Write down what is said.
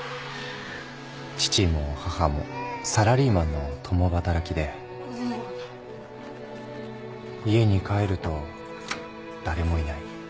父も母もサラリーマンの共働きで家に帰ると誰もいない。